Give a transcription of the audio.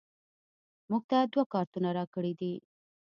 موږ ته دوه کارتونه راکړیدي